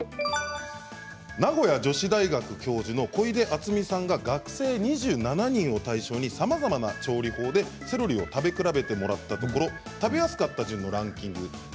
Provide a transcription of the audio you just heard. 名古屋女子大学教授の小出あつみさんが学生２７人を対象にさまざまな調理法でセロリを食べ比べてもらったところ食べやすかった順のランキング。